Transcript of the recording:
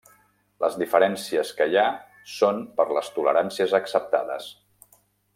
Les diferències que hi ha són per les toleràncies acceptades.